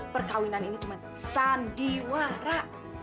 perkawinan ini cuma sandiwara